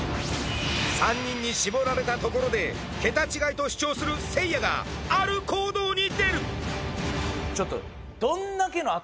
３人に絞られたところでケタ違いと主張するせいやがある行動に出る！